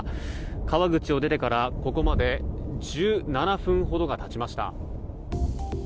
川口を出てからここまで１７分ほどが経ちました。